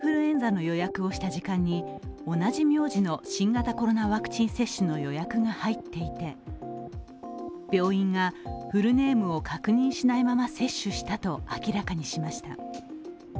夫婦がインフルエンザの予約をした時間に同じ名字の新型コロナワクチン接種の予約が入っていて病院がフルネームを確認しないまま接種したと明らかにしました。